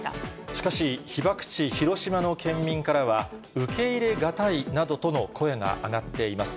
しかし、被爆地、広島の県民からは、受け入れ難いなどとの声が上がっています。